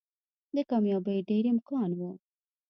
د کاميابۍ ډېر امکان وو